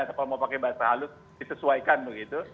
kalau mau pakai bahasa halus disesuaikan begitu